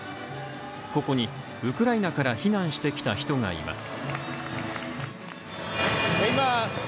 ここにウクライナから避難してきた人がいます。